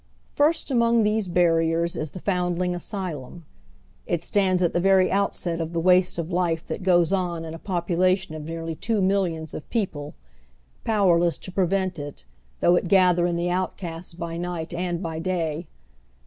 FIRST among these barriers is the Foundling Asjhim. It stands at tlie very outset of the waste of life that goes on in a population of nearly two millions of people ; powerless to prevent it, though it gather in the outcasts by night and by day.